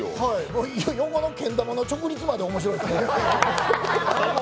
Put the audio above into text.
横のけん玉の直立まで面白いですね。